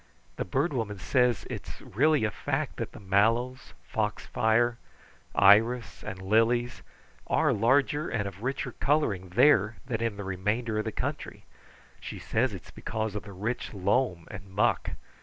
The Bird Woman says it is really a fact that the mallows, foxfire, iris, and lilies are larger and of richer coloring there than in the remainder of the country. She says it's because of the rich loam and muck.